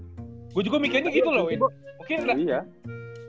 mungkin juga mikirnya gitu loh